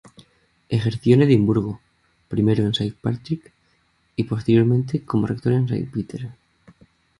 Ejerció en Edimburgo, primero en Saint Patrick y posteriormente, como rector en Saint Peter.